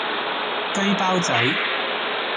雞包仔